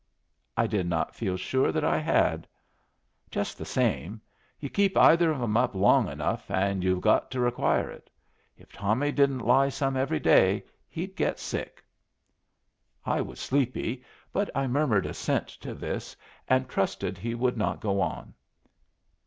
I did not feel sure that I had. "Just the same way. You keep either of 'em up long enough, and yu' get to require it. If Tommy didn't lie some every day, he'd get sick." I was sleepy, but I murmured assent to this, and trusted he would not go on.